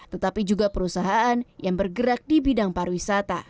tetapi juga perusahaan yang bergerak di bidang pariwisata